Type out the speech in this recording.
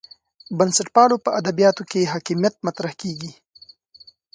بنسټپالو په ادبیاتو کې حاکمیت مطرح کېږي.